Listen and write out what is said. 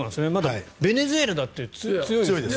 ベネズエラだって強いですよね。